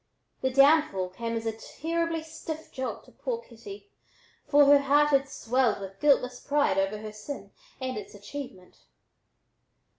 The downfall came as a terribly stiff jolt to poor kitty, for her heart had swelled with guiltless pride over her sin and its achievement.